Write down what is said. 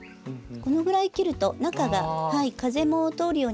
このぐらい切ると中が風も通るようになりますし。